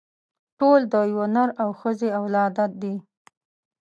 ټول د يوه نر او ښځې اولاده دي.